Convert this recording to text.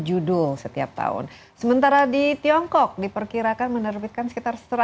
upaya menumbuhkan minat baca